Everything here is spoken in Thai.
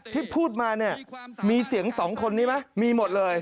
ที่พูดมาเนี่ยมีเสียงสองคนนี้ไหมมีหมดเลย